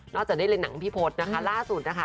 จากได้เล่นหนังพี่พศนะคะล่าสุดนะคะ